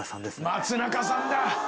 松中さんだ。